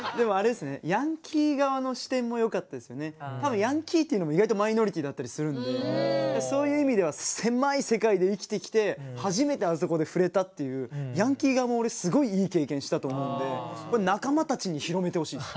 多分ヤンキーっていうのも意外とマイノリティーだったりするんでそういう意味では狭い世界で生きてきて初めてあそこで触れたっていうヤンキー側も俺すごいいい経験したと思うんで仲間たちに広めてほしいんです。